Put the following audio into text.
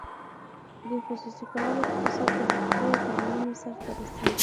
د خصوصي کولو پروسه په درې پړاوونو سر ته رسیږي.